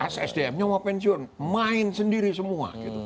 as sdmnya mau pensiun main sendiri semua